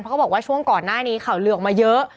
เพราะเขาบอกว่าช่วงก่อนหน้านี้ข่าวลือออกมาเยอะ